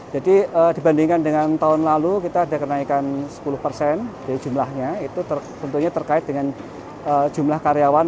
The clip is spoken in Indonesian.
jadi dibandingkan dengan tahun lalu kita ada kenaikan sepuluh dari jumlahnya itu tentunya terkait dengan jumlah karyawan